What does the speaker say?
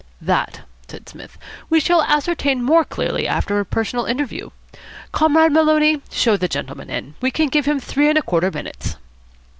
"That," said Psmith, "we shall ascertain more clearly after a personal interview. Comrade Maloney, show the gentleman in. We can give him three and a quarter minutes."